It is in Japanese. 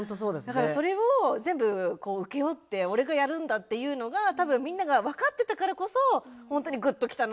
それを全部請け負って「俺がやるんだ」っていうのが多分みんなが分かってたからこそホントにぐっときたなって。